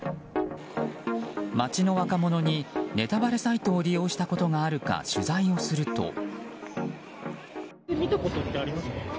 街の若者にネタバレサイトを利用したことがあるか取材をすると。